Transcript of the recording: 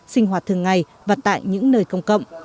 sinh hoạt thường ngày và tại những nơi công cộng